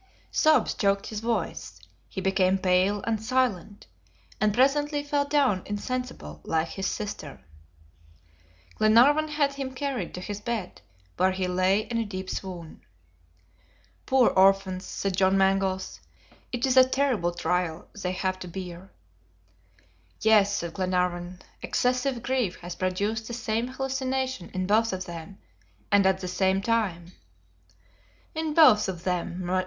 Sobs choked his voice; he became pale and silent, and presently fell down insensible, like his sister. Glenarvan had him carried to his bed, where he lay in a deep swoon. "Poor orphans," said John Mangles. "It is a terrible trial they have to bear!" "Yes," said Glenarvan; "excessive grief has produced the same hallucination in both of them, and at the same time." "In both of them!"